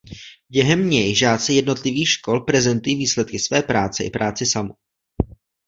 Během něj žáci jednotlivých škol prezentují výsledky své práce i práci samu.